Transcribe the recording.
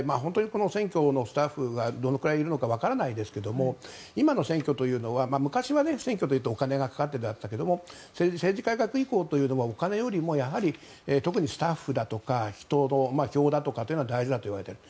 この選挙のスタッフがどのくらいいるのかわからないですけれども今の選挙というのは昔は選挙というとお金がかかってましたが政治改革以降というのはお金よりも特にスタッフだとか人の票だとかが大事だといわれている。